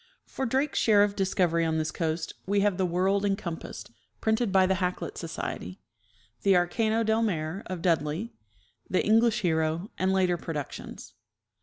For Drake's share of discovery on this coast we have " The World Encompassed," printed by the Hakluyt Society; the "Arcano del Mare," of Dudley; the "English Hero," and later productions.